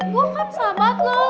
gue kan selamat loh